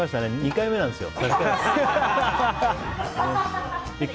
２回目なんですよ。